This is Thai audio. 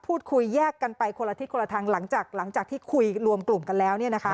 พูดคุยแยกกันไปคนละทิศคนละทางหลังจากที่คุยรวมกลุ่มกันแล้ว